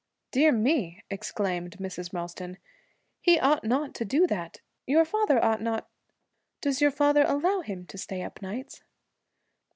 'Dear me!' exclaimed Miss Ralston. 'He ought not to do that. Your father ought not Does your father allow him to stay up nights?'